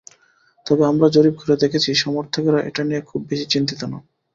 তবে আমরা জরিপ করে দেখেছি সমর্থকেরা এটা নিয়ে খুব বেশি চিন্তিত নন।